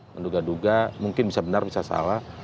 menduga duga mungkin bisa benar bisa salah